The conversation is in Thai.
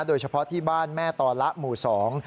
โดยเฉพาะที่บ้านแม่ตอละหมู่สอง